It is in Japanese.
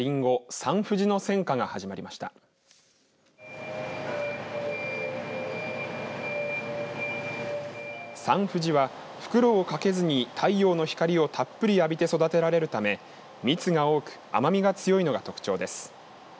サンふじは、袋を掛けずに太陽の光をたっぷり浴びて育てられるため蜜が多く甘みが強いのが特徴です。